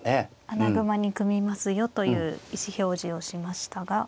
穴熊に組みますよという意思表示をしましたが。